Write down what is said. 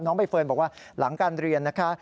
ใบเฟิร์นบอกว่าหลังการเรียนนะคะ